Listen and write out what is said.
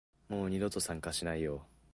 もう二度と参加しないよ